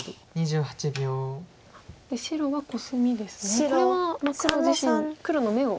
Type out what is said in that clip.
これは黒自身黒の眼を。